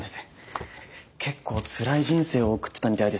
結構つらい人生を送ってたみたいですね。